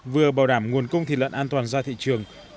vừa bảo đảm nguồn cung thịt lợn an toàn ra thị trường